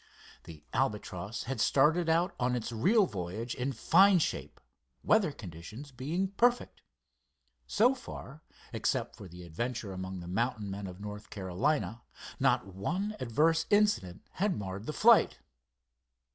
The Albatross had started out on its real voyage in fine shape, weather conditions being perfect. So far, except for the adventure among the mountain men of North Carolina, not one adverse incident had marred the flight.